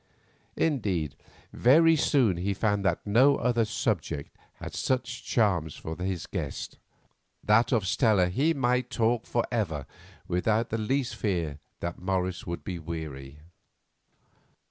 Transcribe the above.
Indeed, very soon he found that no other subject had such charms for his guest; that of Stella he might talk for ever without the least fear that Morris would be weary.